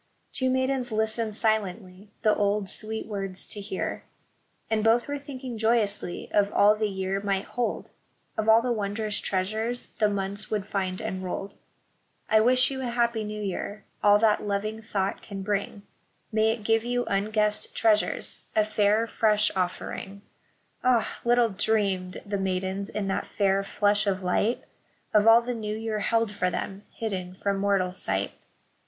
Two maidens listened silently the old, sweet words to hear; And both were thinking joyously of all the year might hold, — Of all the wondrous treasures the months would find enrolled. " I wish you a Happy New Year — all that loving thought can bring ; May it give you unguessed treasures, a fair, fresh offering." Ah ! little dreamed the maidens in that fair flush of light Of all the new year held for them, hidden from mortal sight.